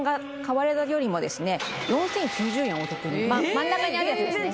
真ん中にあるやつですね